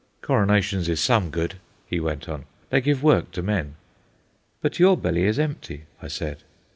"Coronations is some good," he went on. "They give work to men." "But your belly is empty," I said.